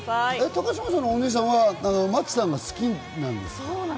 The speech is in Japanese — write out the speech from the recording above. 高嶋さんのお姉さんがマッチさんが好きなんですか。